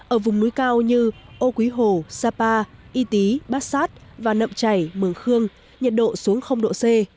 ở vùng núi cao như âu quý hồ sapa y tý bassat và nậm chảy mường khương nhiệt độ xuống độ c